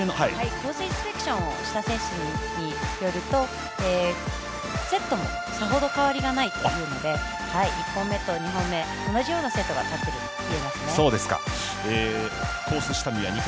インスペクションをした選手によるとセットもさほど変わりがないというので１本目と２本目と同じようなセットが立っていると。